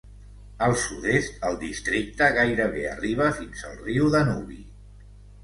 Al sud-est el districte gairebé arriba fins al riu Danubi.